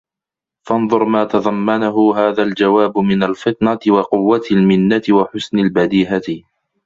فَانْظُرْ مَا تَضَمَّنَهُ هَذَا الْجَوَابُ مِنْ الْفِطْنَةِ وَقُوَّةِ الْمِنَّةِ وَحُسْنِ الْبَدِيهَةِ